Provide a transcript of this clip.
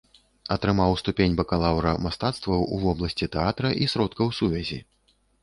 Атрымаў ступень бакалаўра мастацтваў у вобласці тэатра і сродкаў сувязі.